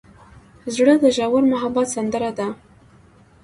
زړه د ژور محبت سندره ده.